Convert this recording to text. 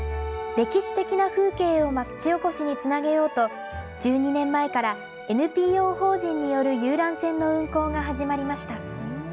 歴史的な風景を町おこしにつなげようと、１２年前から、ＮＰＯ法人による遊覧船の運航が始まりました。